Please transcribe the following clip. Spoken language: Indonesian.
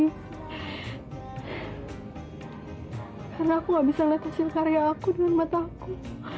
karena aku nggak bisa lihat hasil karya aku dengan mataku